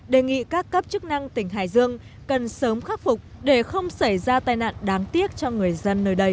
đề nghị các cấp chức năng tỉnh hải dương cần sớm khắc phục để không xảy ra tai nạn đáng tiếc cho người dân nơi đây